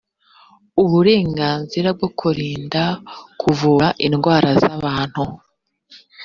uburenganzira bwo kurinda kuvura indwara z abantu